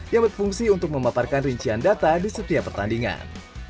yang berfungsi untuk memaparkan rincian data di setiap pertandingan